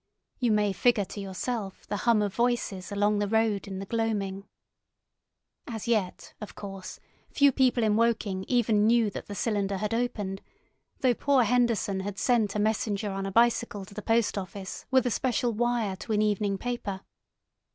You may figure to yourself the hum of voices along the road in the gloaming. ... As yet, of course, few people in Woking even knew that the cylinder had opened, though poor Henderson had sent a messenger on a bicycle to the post office with a special wire to an evening paper.